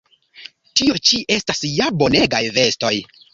Tio ĉi estas ja bonegaj vestoj!